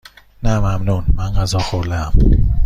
نه ممنون، من غذا خوردهام.